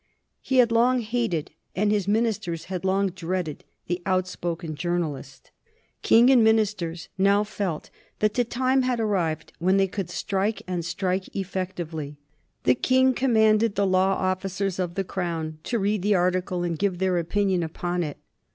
He had long hated and his ministers had long dreaded the outspoken journalist. King and ministers now felt that the time had arrived when they could strike, and strike effectively. The King commanded the law officers of the Crown to read the article and give their opinion upon it.